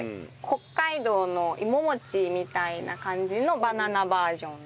北海道のいももちみたいな感じのバナナバージョン。